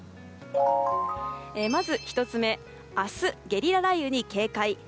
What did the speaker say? まず１つ目明日ゲリラ雷雨に警戒。